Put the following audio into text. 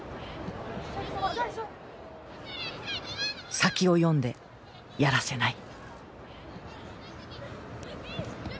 先を読んでやらせない。